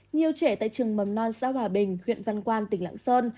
nhiều trẻ tại trường mầm non sao hòa bình huyện văn quan tỉnh lãng sơn